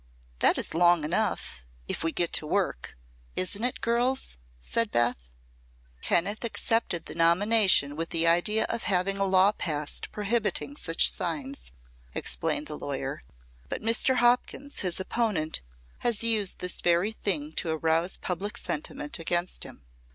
"That is long enough, if we get to work. Isn't it, girls?" said Beth. "Kenneth accepted the nomination with the idea of having a law passed prohibiting such signs," explained the lawyer. "But Mr. Hopkins, his opponent, has used this very thing to arouse public sentiment against him.